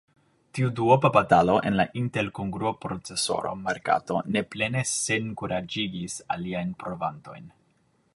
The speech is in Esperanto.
Tiu duopa batalo en la Intel-kongrua procesora merkato ne plene senkuraĝigis aliajn provantojn.